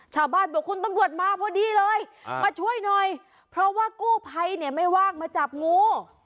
ชาวบ้านบอกคุณตำรวจมาพอดีเลยมาช่วยหน่อยเพราะว่ากู้ภัยเนี่ยไม่ว่างมาจับงู